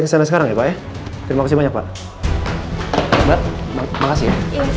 kesana sekarang ya pak ya terima kasih banyak pak makasih ya